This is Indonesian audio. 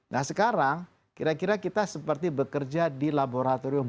nah sekarang kira kira kita seperti bekerja di laboratorium